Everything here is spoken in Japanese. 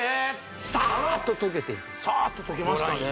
サーッと溶けていくサーッと溶けましたね